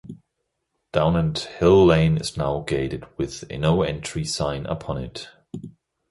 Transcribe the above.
Downend Hill Lane is now gated with a no entry sign upon it.